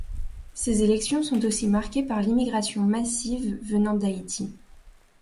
Ces élections sont aussi marquées par l'immigration massive venant d'Haïti.